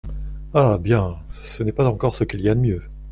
Ah ! bien, ça n'est pas encore ce qu'il y a de mieux.